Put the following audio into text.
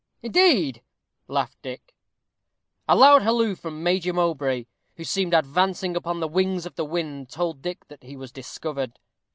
"Indeed!" laughed Dick. A loud halloo from Major Mowbray, who seemed advancing upon the wings of the wind, told Dick that he was discovered.